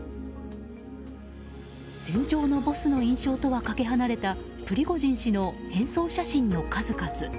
戦場のボスの印象とはかけ離れたプリゴジン氏の変装写真の数々。